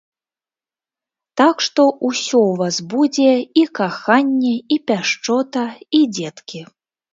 Так што ўсё ў вас будзе, і каханне, і пяшчота, і дзеткі!